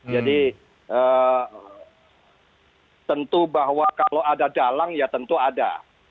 jadi tentu bahwa kalau ada dalang ya tentu ada